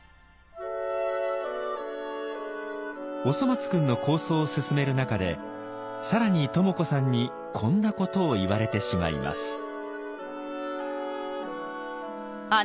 「おそ松くん」の構想を進める中で更に登茂子さんにこんなことを言われてしまいます。